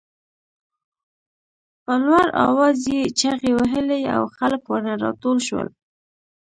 په لوړ آواز یې چغې وهلې او خلک ورنه راټول شول.